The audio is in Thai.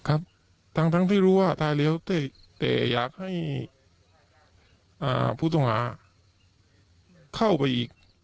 ครับทั้งที่รู้ว่าตายแล้วแต่อยากให้ผู้ต้องหาเข้าไปอีก